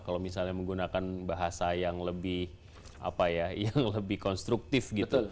kalau misalnya menggunakan bahasa yang lebih konstruktif gitu